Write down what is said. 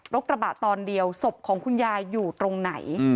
กระบะตอนเดียวศพของคุณยายอยู่ตรงไหน